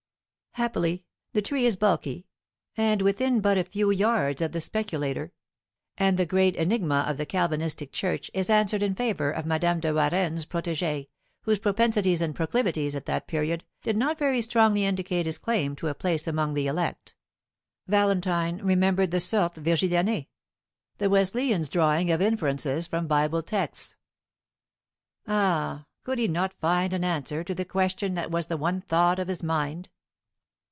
Happily the tree is bulky, and within but a few yards of the speculator; and the great enigma of the Calvinistic church is answered in favour of Madame de Warenne's protégé, whose propensities and proclivities at that period did not very strongly indicate his claim to a place among the elect. Valentine remembered the sortes Virgilianæ the Wesleyan's drawing of inferences from Bible texts. Ah, could he not find an answer to the question that was the one thought of his mind?